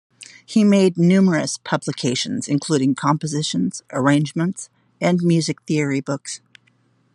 He made numerous publications, including compositions, arrangements and music theory books.